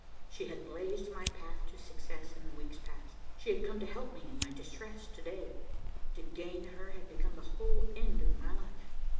She had blazed my path to success in the weeks past. She had come to help me in my distress to day. To gain her had become the whole end of my life.